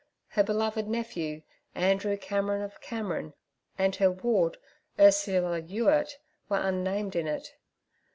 Her beloved nephew Andrew Cameron of Cameron and her ward Ursula Ewart were unnamed in it.